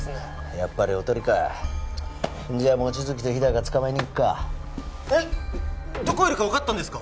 やっぱりおとりかじゃ望月と日高捕まえに行くかえっどこいるか分かったんですか？